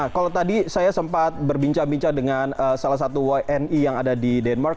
kalau tadi saya sempat berbincang bincang dengan salah satu wni yang ada di denmark